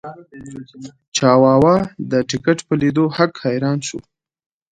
چاواوا د ټکټ په لیدو هک حیران شو.